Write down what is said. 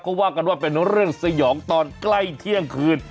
ก็ว่ากันว่าเป็นเรื่องสยองตอนใกล้เที่ยงคืน